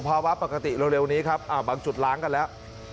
ภาวะปกติเร็วนี้ครับบางจุดล้างกันแล้ว